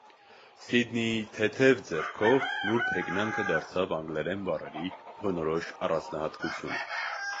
Սիդնիի թեթև ձեռքով նուրբ հեգնանքը դարձավ անգլերեն բառերի բնորոշ առանձնահատկությունը։